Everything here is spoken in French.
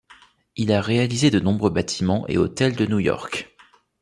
Il a réalisé de nombreux bâtiments et hôtels de New York.